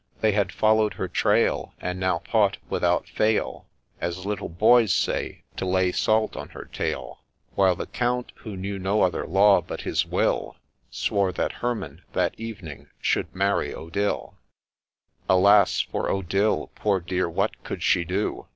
They had follow'd her trail, And now thought without fail, As little boys say, to ' lay salt on her tail ;* While the Count, who knew no other law but his will, Swore that Herman that evening should marry Odille. Alas, for Odille ! poor dear ! what could she do